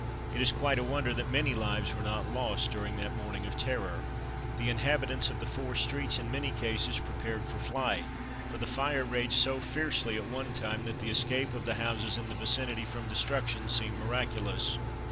It is quite a wonder that many lives were not lost during that morning of terror. The inhabitants of the four streets in many cases prepared for flight, for the fire raged so fiercely at one time that the escape of the houses in the vicinity from destruction seemed miraculous.